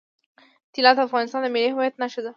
طلا د افغانستان د ملي هویت نښه ده.